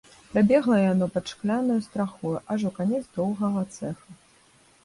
Прабегла яно пад шкляною страхою аж у канец доўгага цэха.